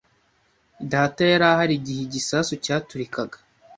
Data yari ahari igihe igisasu cyaturikaga.